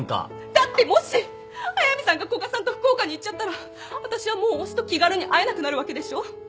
だってもし速見さんが古賀さんと福岡に行っちゃったら私はもう推しと気軽に会えなくなるわけでしょ？